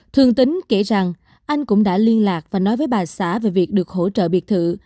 thường tính kể rằng anh cũng đã liên lạc và nói với bà xã về việc được hỗ trợ biệt thự